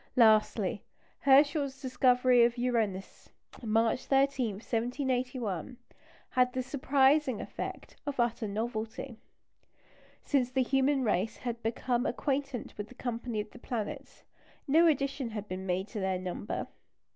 Lastly, Herschel's discovery of Uranus, March 13, 1781, had the surprising effect of utter novelty. Since the human race had become acquainted with the company of the planets, no addition had been made to their number.